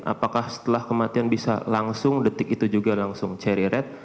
apakah setelah kematian bisa langsung detik itu juga langsung cherry red